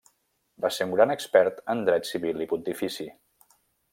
Va ser un gran expert en dret civil i pontifici.